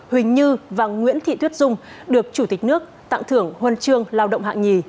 huỳnh như và nguyễn thị thuyết dung được chủ tịch nước tặng thưởng huân chương lao động hạng nhì